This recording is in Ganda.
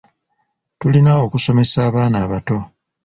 Tulina okusomesa abaana abato.